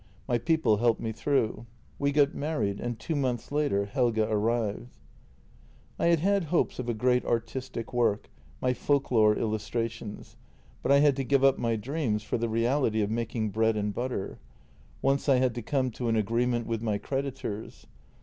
My people helped me through. We got married, and two months later Helge arrived. " I had had hopes of a great artistic work — my folklore illustrations — but I had to give up my dreams for the reality of making bread and butter. Once I had to come to an agree ment with my creditors.